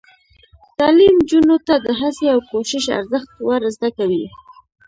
تعلیم نجونو ته د هڅې او کوشش ارزښت ور زده کوي.